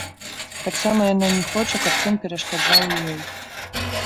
Таксама яна не хоча, каб сын перашкаджаў і ёй.